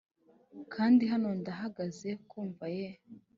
kandi hano ndahagaze 'ku mva ye